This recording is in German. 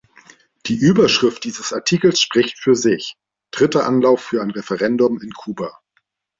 Die Überschrift dieses Artikels spricht für sich: "Dritter Anlauf für ein Referendum in Kuba".